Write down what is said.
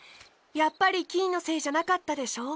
やっぱりキイのせいじゃなかったでしょ？